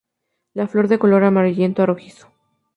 La flor de color amarillento a rojizo.